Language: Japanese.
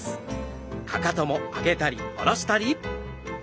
かかとも上げたり下ろしたり。